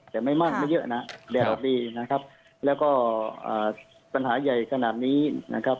แต่ไม่มากไม่เยอะนะแดดออกดีนะครับแล้วก็ปัญหาใหญ่ขนาดนี้นะครับ